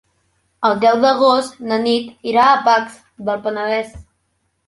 El deu d'agost na Nit irà a Pacs del Penedès.